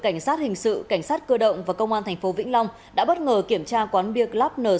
cảnh sát hình sự cảnh sát cơ động và công an tp hcm đã bất ngờ kiểm tra quán beer club n sáu mươi tám